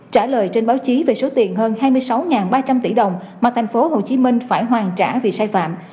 trả lời trên báo chí về số tiền hơn hai mươi sáu ba trăm linh tỷ đồng mà thành phố hồ chí minh phải hoàn trả vì sai phạm